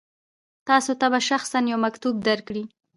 تاسو ته به شخصا یو مکتوب درکړي.